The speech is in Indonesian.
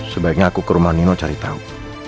sebaiknya aku ke rumah nino cari tahu